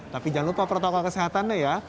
tapi jangan lupa protokol kesehatannya ya